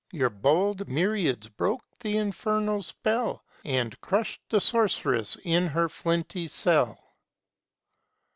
YOUR bold myriads broke the infernal spell, And crush'd the Sorceress in her flinty cell.